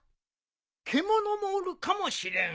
獣もおるかもしれん。